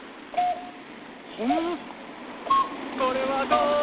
ほんのりこれはどう？